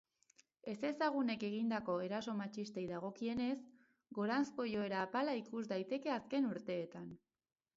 Ezezagunek egindako eraso matxistei dagokienez, goranzko joera apala ikus daiteke azken urteetan.